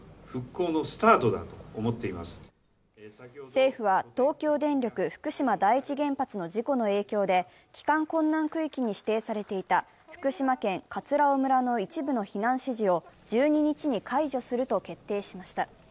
政府は、東京電力・福島第一原発の事故の影響で帰還困難区域に指定されていた福島県葛尾村の一部の避難指示を１２日に解除すると決定しました。